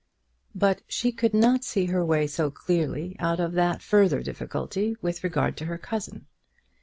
But she could not see her way so clearly out of that further difficulty with regard to her cousin.